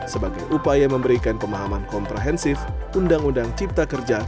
sebagai upaya memberikan pemahaman komprehensif undang undang cipta kerja